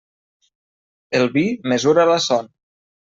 El vi mesura la son.